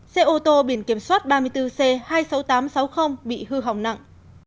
xe ô tô biển kiểm soát ba mươi bốn c hai mươi sáu nghìn tám trăm sáu mươi bị hư hỏng nặng